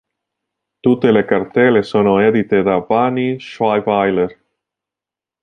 Tutte le cartelle sono edite da Vanni Scheiwiller.